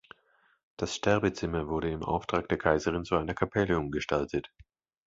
Das Sterbezimmer wurde im Auftrag der Kaiserin zu einer Kapelle umgestaltet.